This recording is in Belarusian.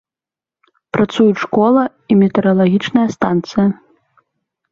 Працуюць школа і метэаралагічная станцыя.